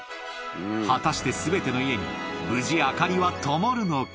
果たして、すべての家に無事、明かりはともるのか？